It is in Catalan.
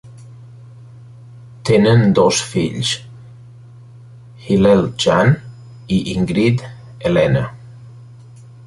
Tenen dos fills, Hillel Jan i Ingrid Helena.